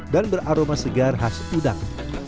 dan beraroma segar khas udang